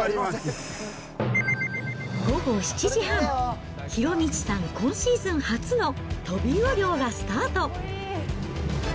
午後７時半、博道さん、今シーズン初のトビウオ漁がスタート。